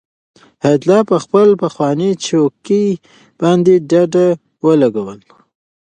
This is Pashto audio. حیات الله په خپله پخوانۍ چوکۍ باندې ډډه ولګوله.